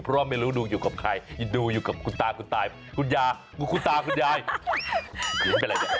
เพราะไม่รู้ดูอยู่กับใครดูอยู่กับคุณตาคุณตายคุณยาคุณตาคุณยาย